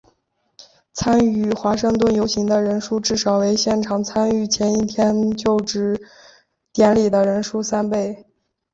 参与华盛顿游行的人数至少为现场参与前一天就职典礼的人数三倍。